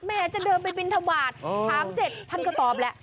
จะเดินไปบินทบาทถามเสร็จท่านก็ตอบแหละ